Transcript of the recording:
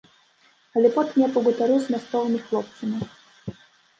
Але потым я пагутарыў з мясцовымі хлопцамі.